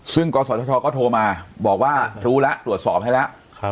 ซึ่งกศชก็โทรมาบอกว่ารู้แล้วตรวจสอบให้แล้ว